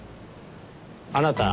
あなた